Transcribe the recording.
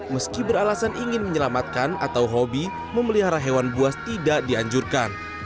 meski beralasan ingin menyelamatkan atau hobi memelihara hewan buas tidak dianjurkan